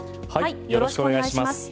よろしくお願いします。